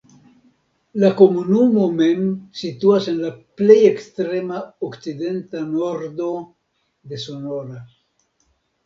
La komunumo mem situas en la plej ekstrema okcidenta nordo de Sonora.